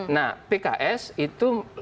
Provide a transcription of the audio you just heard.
nah pks itu